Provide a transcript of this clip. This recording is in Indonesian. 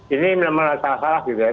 ini memang salah salah gitu ya